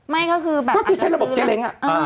ไม่ก็คือแบบอันนั้นซื้อแหลง